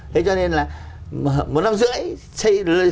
thế cho nên là một năm rưỡi